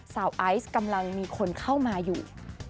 ไอซ์กำลังมีคนเข้ามาอยู่